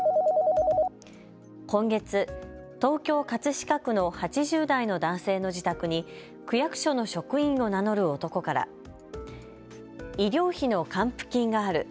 今月、東京・葛飾区の８０代の男性の自宅に区役所の職員を名乗る男から医療費の還付金がある。